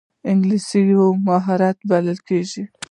انګلیسي یو مهارت بلل کېږي